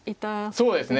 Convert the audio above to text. そうですね。